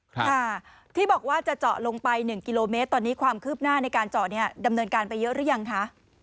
ค่ะที่บอกว่าจะเจาะลงไปหนึ่งกิโลเมตรตอนนี้ความคืบหน้าในการเจาะเนี่ยดำเนินการไปเยอะหรือยังคะ